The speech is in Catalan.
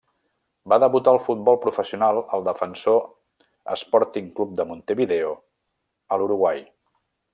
Va debutar al futbol professional al Defensor Sporting Club de Montevideo a l'Uruguai.